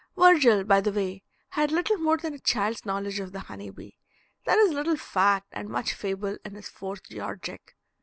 Virgil, by the way, had little more than a child's knowledge of the honey bee. There is little fact and much fable in his fourth Georgic.